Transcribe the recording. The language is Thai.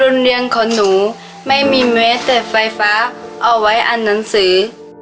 โรงเรียนของหนูไม่มีแม้แต่ไฟฟ้าเอาไว้อันหนังสือ